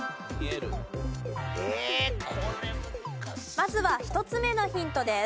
まずは１つ目のヒントです。